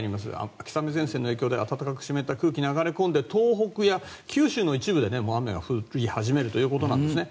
秋雨前線の影響で暖かく湿った空気が流れ込んで、東北や九州の一部で雨が降り始めるということなんですね。